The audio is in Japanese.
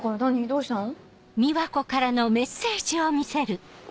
どうしたの？